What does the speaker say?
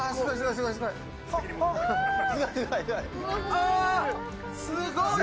あー、すごい。